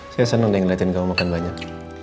saya senang deh ngeliatin kamu makan banyak